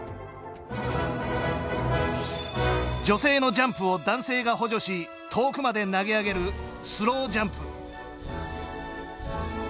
女性のジャンプを男性が補助し遠くまで投げ上げるスロージャンプ。